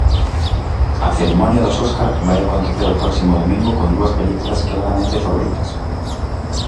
A cerimonia dos Oscar vai acontecer o próximo domingo con duas películas claramente favoritas